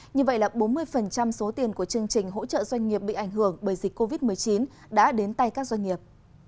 như vậy là bốn mươi số tiền của chương trình hỗ trợ doanh nghiệp bị ảnh hưởng bởi dịch covid một mươi chín đã đến tay các doanh nghiệp